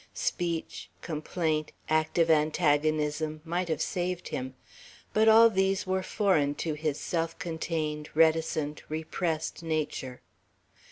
Speech, complaint, active antagonism, might have saved him; but all these were foreign to his self contained, reticent, repressed nature.